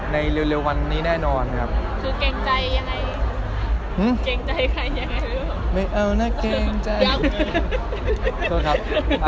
ในเร็วแรงแรงแน่นอนครับ